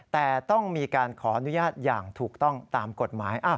แต่ต้องมีการขออนุญาตอย่างถูกต้องตามกฎหมาย